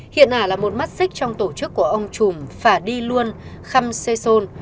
hiện ả là một mắt xích trong tổ chức của ông chùm phả đi luôn kham xê xôn